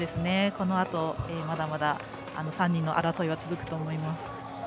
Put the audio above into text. このあと、まだまだ３人の争いは続くと思います。